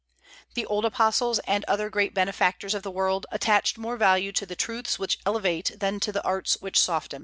The old apostles, and other great benefactors of the world, attached more value to the truths which elevate than to the arts which soften.